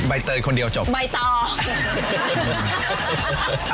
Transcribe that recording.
ใบเตยคนเดียวจบใบตอง